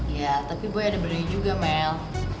ya tapi boy ada beneran juga mel